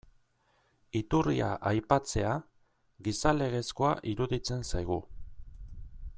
Iturria aipatzea, gizalegezkoa iruditzen zaigu.